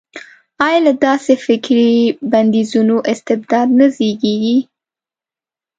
ایا له داسې فکري بندیزونو استبداد نه زېږي.